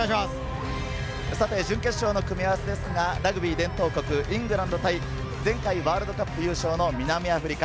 準決勝の組み合わせですが、ラグビー伝統国・イングランド対前回ワールドカップ優勝の南アフリカ。